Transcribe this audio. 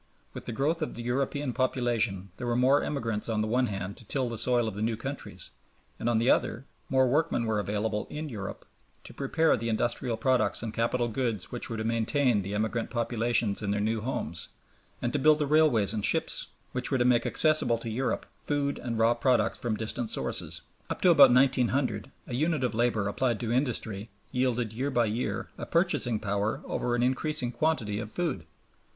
With the growth of the European population there were more emigrants on the one hand to till the soil of the new countries, and, on the other, more workmen were available in Europe to prepare the industrial products and capital goods which were to maintain the emigrant populations in their new homes, and to build the railways and ships which were to make accessible to Europe food and raw products from distant sources. Up to about 1900 a unit of labor applied to industry yielded year by year a purchasing power over an increasing quantity of food.